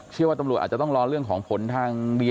เชื่อว่าตำรวจอาจจะต้องรอเรื่องของผลทางดี